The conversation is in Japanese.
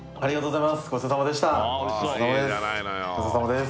ごちそうさまです